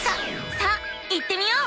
さあ行ってみよう！